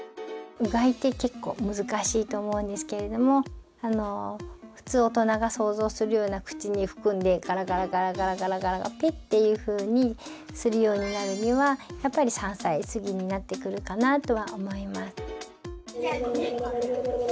おおっ！と思うんですけれども普通おとなが想像するような口に含んでガラガラガラガラペッっていうふうにするようになるにはやっぱり３歳過ぎになってくるかなとは思います。